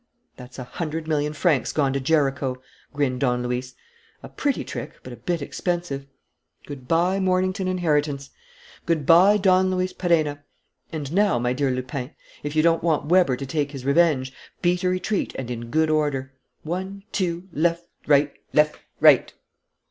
"That's a hundred millions gone to Jericho," grinned Don Luis. "A pretty trick, but a bit expensive. Good bye, Mornington inheritance! Good bye, Don Luis Perenna! And now, my dear Lupin, if you don't want Weber to take his revenge, beat a retreat and in good order. One, two; left, right; left, right!"